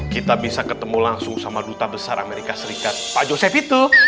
kita bisa ketemu langsung sama duta besar amerika serikat pak josep itu